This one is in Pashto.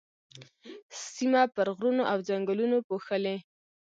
سيمه پر غرونو او ځنګلونو پوښلې.